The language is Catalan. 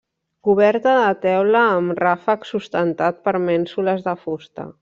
Coberta de teula amb ràfec sustentat per mènsules de fusta.